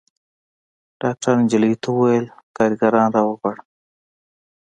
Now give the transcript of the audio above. ډاکتر نجلۍ ته وويل کارګران راوغواړه.